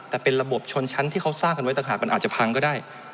แต่เป็นระบบชนชั้นที่เขาสร้างกันไว้ต่างหากมันอาจจะพังก็ได้